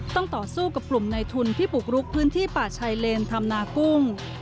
ต่อสู้กับกลุ่มในทุนที่บุกรุกพื้นที่ป่าชายเลนธรรมนากุ้ง